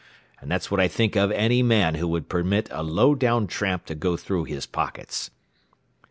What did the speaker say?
And that's what I think of any man who would permit a low down tramp to go through his pockets."